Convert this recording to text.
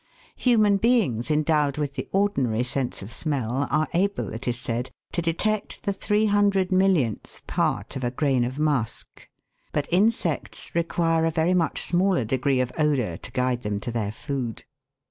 Human beings endowed with the ordinary sense of smell are able, it is said, to detect the three hundred millionth part of a grain of musk ; but insects require a very much smaller degree of odour to guide them to their food.